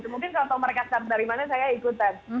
mungkin kalau mereka kemana mana saya ikutan